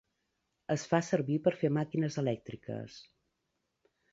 Es fa servir per fer màquines elèctriques.